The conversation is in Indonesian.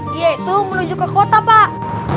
dia itu menuju ke kota pak